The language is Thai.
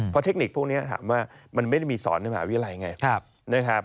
เพราะเทคนิคพวกนี้ถามว่ามันไม่ได้มีสอนในมหาวิทยาลัยไงนะครับ